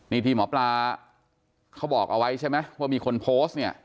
นี่ที่หมอปลาเขาบอกเอาไว้ใช่ไหมว่ามีคนโพสต์เนี่ย